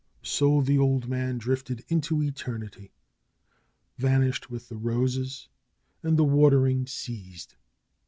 So the old man drifted into eternity; vanished with the roses; and the watering ceased.